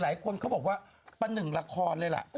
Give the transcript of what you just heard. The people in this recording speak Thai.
หลายคนเขาบอกว่าปะหนึ่งละครเลยล่ะ